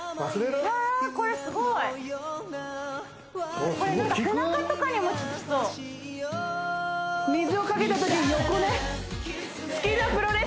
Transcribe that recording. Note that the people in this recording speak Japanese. あーこれすごい！これなんか背中とかにも効きそう水をかけたときに横ね